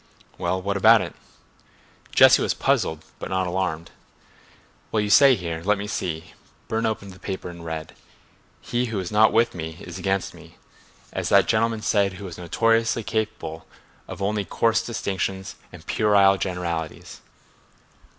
'" "Well—what about it?" Jesse was puzzled but not alarmed. "Well, you say here—let me see." Burne opened the paper and read: "'He who is not with me is against me, as that gentleman said who was notoriously capable of only coarse distinctions and puerile generalities.